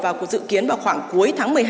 vào cuộc dự kiến vào khoảng cuối tháng một mươi hai